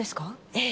ええ。